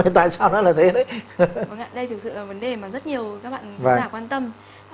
vâng ạ đây thực sự là vấn đề mà rất nhiều các bạn quan tâm